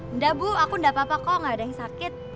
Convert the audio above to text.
enggak bu aku tidak apa apa kok gak ada yang sakit